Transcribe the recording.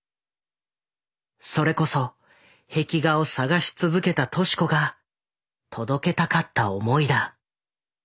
それこそ壁画を探し続けた敏子が届けたかった思いだ。